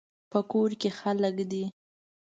په کور کې خلک دي